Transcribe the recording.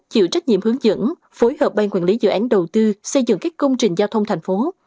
chịu trách nhiệm hướng dẫn phối hợp ban quản lý dự án đầu tư xây dựng các công trình giao thông thành phố